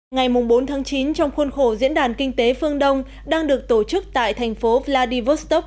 ngày bốn chín trong khuôn khổ diễn đàn kinh tế phương đông đang được tổ chức tại thành phố vladivostok